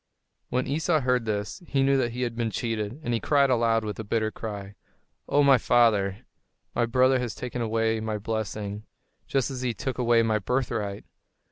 When Esau heard this, he knew that he had been cheated; and he cried aloud, with a bitter cry, "O, my father, my brother has taken away my blessing, just as he took away my birthright!